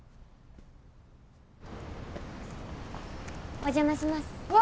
お邪魔します。わ！